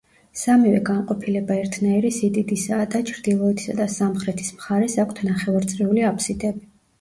სამივე განყოფილება ერთნაირი სიდიდისაა და ჩრდილოეთისა და სამხრეთის მხარეს აქვთ ნახევარწრიული აფსიდები.